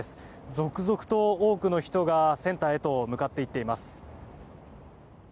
続々と多くの人がセンターへと向かって行っています。